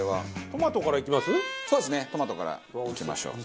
トマトからいきましょう。